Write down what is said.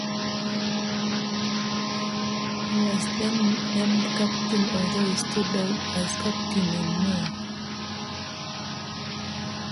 He was then named captain, although he stood down as captain in May.